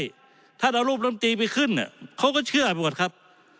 ท่านเอารูปลำตีไปขึ้นเขาก็เชื่อไปหมดครับ